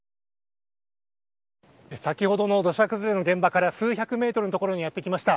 先ほどの土砂崩れの現場から数百メートルの所にやってきました。